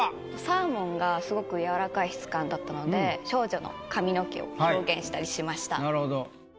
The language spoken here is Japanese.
サーモンがすごく軟らかい質感だったので少女の髪の毛を表現したりしました。